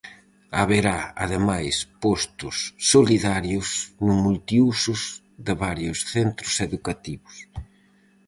Haberá ademais postos solidarios no multiúsos de varios centros educativos.